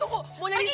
tunggu mau nyanyi gak